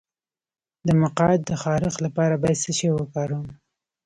د مقعد د خارښ لپاره باید څه شی وکاروم؟